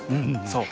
そう。